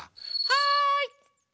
はい！